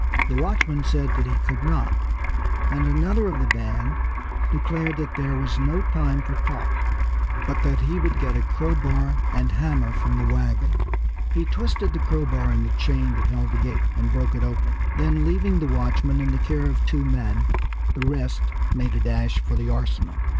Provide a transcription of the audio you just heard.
The watchman said that he could not, and another of the band declared that there was no time for talk, but that he would get a crowbar and hammer from the wagon. He twisted the crowbar in the chain that held the gate, and broke it open; then leaving the watchman in the care of two men, the rest made a dash for the arsenal.